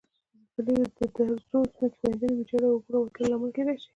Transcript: زلزلې د درزو، ځمکې ښویدنې، ویجاړي او اوبو راوتو لامل کېدای شي.